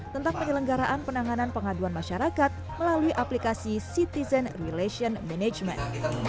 tentang penyelenggaraan penanganan pengaduan masyarakat melalui aplikasi citizen relation management